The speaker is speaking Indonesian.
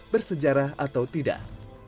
bersejarah atau tidak